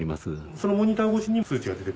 ・そのモニター越しに数値が出てくる？